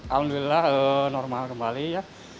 alhamdulillah normal kembali ya